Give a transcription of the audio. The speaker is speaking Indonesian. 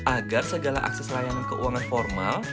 agar segala akses layanan keuangan formal